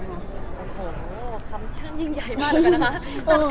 โอ้โหคำช่างยิ่งใหญ่มากเลยนะคะ